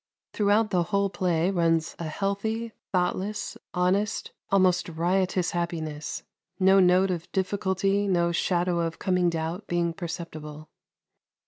Throughout the whole play runs a healthy, thoughtless, honest, almost riotous happiness; no note of difficulty, no shadow of coming doubt being perceptible.